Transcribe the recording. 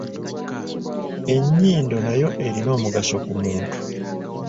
Ennyindo nayo erina omugaso ku muntu.